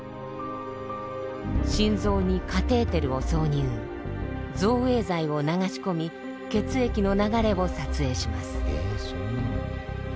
心臓にカテーテルを挿入造影剤を流し込み血液の流れを撮影します。